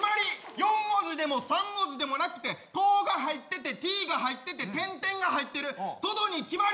４文字でも３文字でもなくて「ト」が入ってて「Ｔ」が入ってて点々が入ってるトドに決まり！